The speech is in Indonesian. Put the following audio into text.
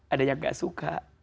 ada yang tidak suka